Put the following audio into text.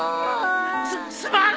すっすまん！